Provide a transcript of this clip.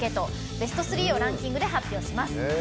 ベスト３をランキングで発表します。